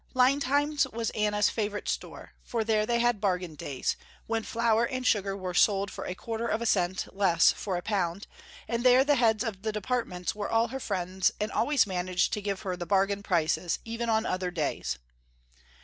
Lindheims was Anna's favorite store, for there they had bargain days, when flour and sugar were sold for a quarter of a cent less for a pound, and there the heads of the departments were all her friends and always managed to give her the bargain prices, even on other days.